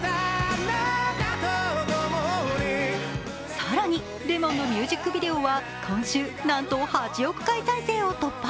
更に「Ｌｅｍｏｎ」のミュージックビデオは今週なんと８億回再生を突破。